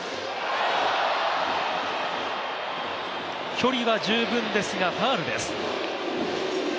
距離は十分ですがファウルです。